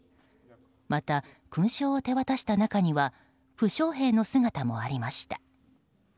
また、勲章を手渡した中には負傷兵の姿もありました。